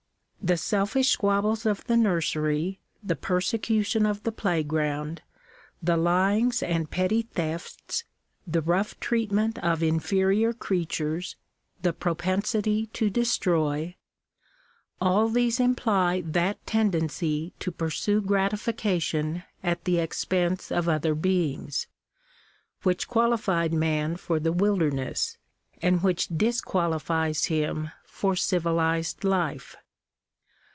The selfish squabbles of the nursery, the persecution of the play ground, the lyings and petty thefts, the rough treatment of inferior creatures, the propensity to destroy — all these imply that tendency to pursue gratification at the expense of other beings, which qualified man for the wilderness, and which disqualifies him for civilized life.